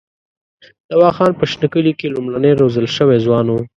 دوا خان په شنه کلي کې لومړنی روزل شوی ځوان وو.